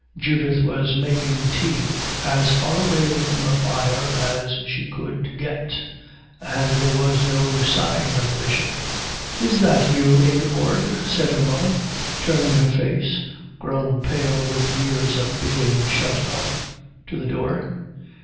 Judith was making tea as far away from the fire as she could get, and there was no sign of the Bishop. "Is that you, Ingeborg?" said her mother, turning her face, grown pale with years of being shut up, to the door.